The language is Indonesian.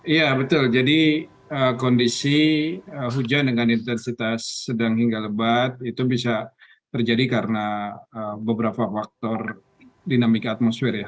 iya betul jadi kondisi hujan dengan intensitas sedang hingga lebat itu bisa terjadi karena beberapa faktor dinamik atmosfer ya